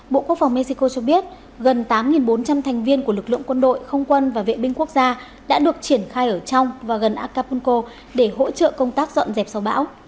bộ quốc phòng mexico cho biết gần tám bốn trăm linh thành viên của lực lượng quân đội không quân và vệ binh quốc gia đã được triển khai ở trong và gần acapulco để hỗ trợ công tác dọn dẹp sau bão